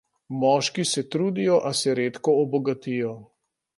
Moški se trudijo, a se redko obogatijo.